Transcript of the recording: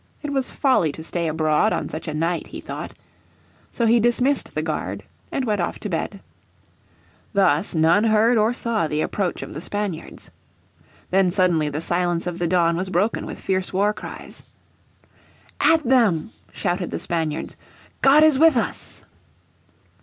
It was folly to stay abroad on such a night he thought. So he dismissed the guard, and went off to bed. Thus none heard or saw the approach of the Spaniards. Then suddenly the silence of the dawn was broken with fierce war cries. "At them," shouted the Spaniards, "God is with us!"